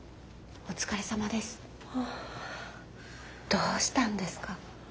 どうしたんですか？